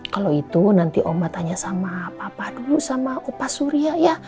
kalau itu nanti oma tanya sama papa dulu sama opa surya ya